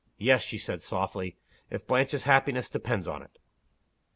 "Yes," she said, softly, "if Blanche's happiness depends on it."